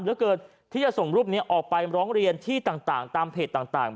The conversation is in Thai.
เหลือเกินที่จะส่งรูปนี้ออกไปร้องเรียนที่ต่างตามเพจต่าง